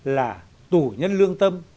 là tù nhân lương tâm